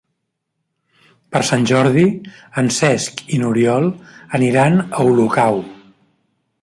Per Sant Jordi en Cesc i n'Oriol aniran a Olocau.